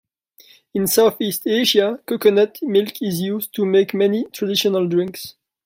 In Southeast Asia, coconut milk is used to make many traditional drinks.